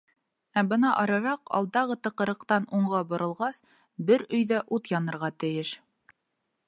Ә бына арыраҡ, алдағы тыҡрыҡтан уңға боролғас, бер өйҙә ут янырға тейеш.